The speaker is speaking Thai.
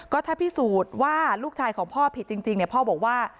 ก็ถ้าพิสูจน์ว่าลูกชายของพ่อผิดจริงพ่อบอกว่า